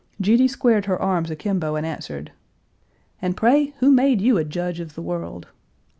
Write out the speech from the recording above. Judy squared her arms akimbo and answered, "And pray, who made you a judge of the world?